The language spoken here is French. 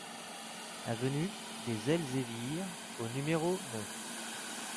Avenue des Elzévirs au numéro neuf